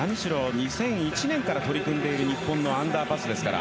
２００１年から取り組んでいるアンダーパスですから。